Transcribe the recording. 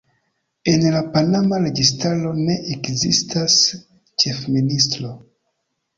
En la panama registaro ne ekzistas ĉefministro.